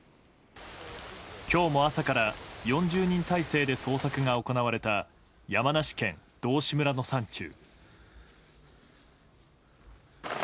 今日も朝から４０人態勢で捜索が行われた山梨県道志村の山中。